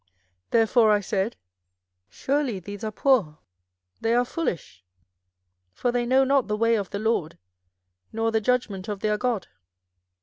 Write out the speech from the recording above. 24:005:004 Therefore I said, Surely these are poor; they are foolish: for they know not the way of the LORD, nor the judgment of their God.